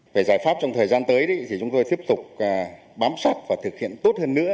về giải pháp trong thời gian tới thì chúng tôi tiếp tục bám sát và thực hiện tốt hơn nữa